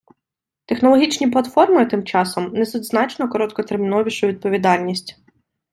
Технологічні платформи, тим часом, несуть значно короткотерміновішу відповідальність.